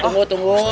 tunggu tunggu tunggu